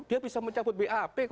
dia bisa mencabut bap